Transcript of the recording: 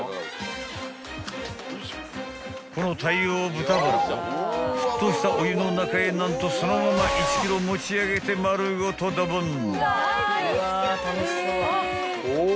［この大量豚バラを沸騰したお湯の中へ何とそのまま１ｋｇ持ち上げて丸ごとドボン！］